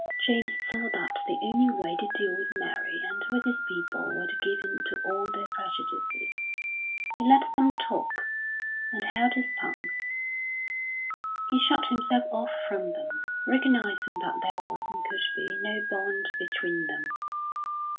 James saw that the only way to deal with Mary and with his people was to give in to all their prejudices. He let them talk, and held his tongue. He shut himself off from them, recognising that there was, and could be, no bond between them.